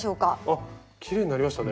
あきれいになりましたね。